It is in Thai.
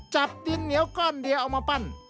จับดินเหนียวก้อนเดียวเอามาปั้น